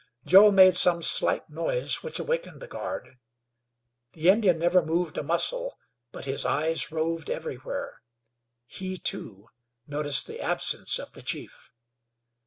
Joe made some slight noise which awakened the guard. The Indian never moved a muscle; but his eyes roved everywhere. He, too, noticed the absence of the chief.